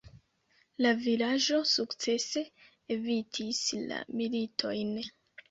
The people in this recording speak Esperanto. La vilaĝo sukcese evitis la militojn.